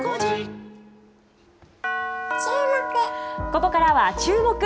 ここからはチューモク！